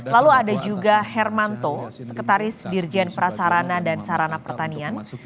lalu ada juga hermanto sekretaris dirjen prasarana dan sarana pertanian